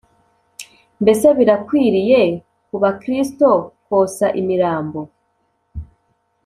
Mbese birakwiriye ku Bakristo kosa imirambo?